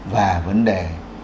và vấn đề